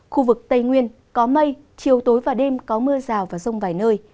khu vực tây nguyên có mây chiều tối và đêm có mưa rào và rông vài nơi